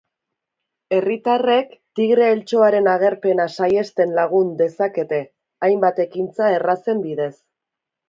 Herritarrek tigre-eltxoaren agerpena saihesten lagun dezakete, hainbat ekintza errazen bidez.